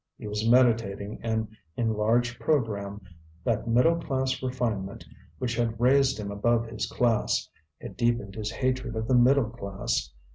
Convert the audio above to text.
He was meditating an enlarged programme; that middle class refinement, which had raised him above his class, had deepened his hatred of the middle class.